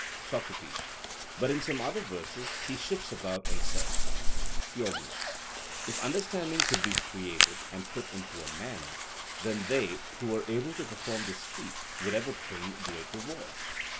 SOCRATES: But in some other verses he shifts about and says (Theog.): 'If understanding could be created and put into a man, then they' (who were able to perform this feat) 'would have obtained great rewards.'